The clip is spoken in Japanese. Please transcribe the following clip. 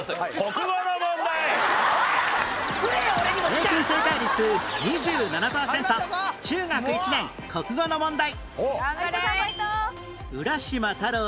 平均正解率２７パーセント中学１年国語の問題